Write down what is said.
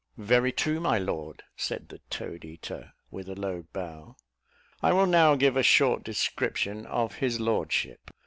"Very true, my lord," said the toad eater, with a low bow. I will now give a short description of his lordship.